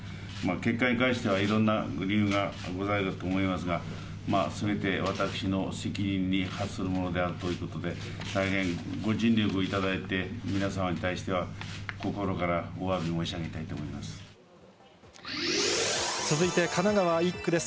結果に関しては、いろんな理由があると思いますが、すべて私の責任に発するものであるということで、大変ご尽力をいただいて、皆様に対しては、心からおわび申し上げ続いて神奈川１区です。